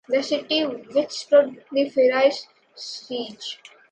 The city withstood the fierce siege.